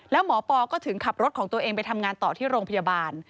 แล้วหมอปอก็ถึงขับรถของตัวเองไปทำงานต่อที่โรงพยาบาล